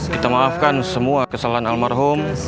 kita maafkan semua kesalahan almarhum